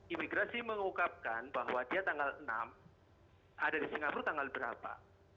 imigrasi mengungkapkan bahwa dia tanggal enam ada di singapura tanggal berapa